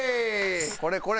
これこれ！